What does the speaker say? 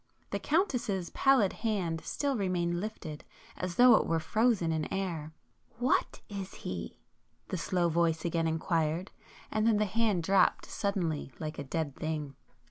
The Countess's pallid hand still remained lifted, as though it were frozen in air. "What is he?" the slow voice again inquired,—and then the hand dropped suddenly like a dead thing.